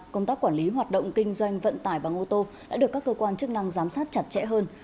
công tác quản lý hoạt động kinh doanh vận tải bằng ô tô đã được các cơ quan chức năng giám sát chặt chẽ hơn